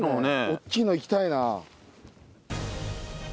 大きいのいきたいな。